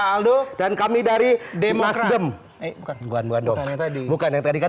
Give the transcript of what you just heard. aldo dan kami dari demokrasi bukan bukan jajan beda beda beda beda beda beda saya